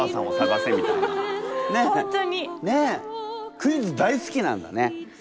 クイズ大好きなんだね。